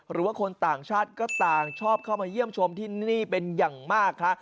หรือว่าคนต่างชาติก็ต่างชอบเข้ามาเยี่ยมชมที่นี่เป็นอย่างมากค่ะ